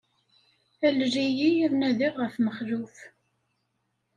Alel-iyi ad nadiɣ ɣef Mexluf.